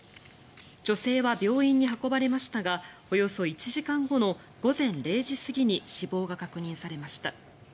女性は病院に運ばれましたがおよそ１時間後の午前０時過ぎに死亡が確認されました。